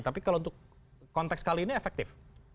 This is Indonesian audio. tapi kalau untuk konteks kali ini efektif